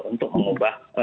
untuk mengubah penundaan